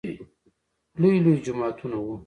لوى لوى جوماتونه وو.